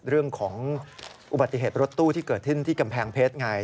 เรื่องของอุบัติเหตุรถตู้ที่เกิดขึ้นที่กำแพงเพชรไง